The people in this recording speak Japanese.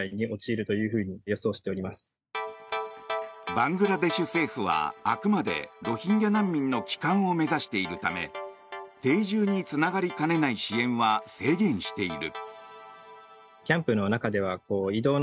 バングラデシュ政府はあくまでロヒンギャ難民の帰還を目指しているため定住につながりかねない支援は制限している。